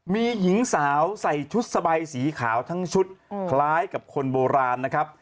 มีหญิงสาวใส่ชุดสบายสีขาวทั้งชุดคล้ายกับคนโบราณนะครับ